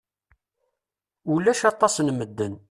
Ulac aṭas n medden.